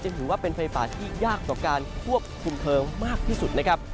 ถือว่าเป็นไฟป่าที่ยากต่อการควบคุมเพลิงมากที่สุดนะครับ